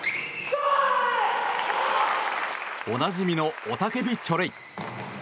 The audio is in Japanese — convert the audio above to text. おなじみの雄たけびチョレイ！